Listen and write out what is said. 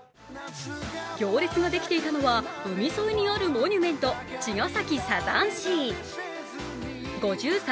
行列ができていたのは海沿いにあるモニュメント、茅ヶ崎サザンＣ。